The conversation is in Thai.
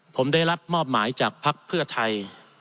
ผมได้รับมอบหมายจากภักดิ์เพื่อไทย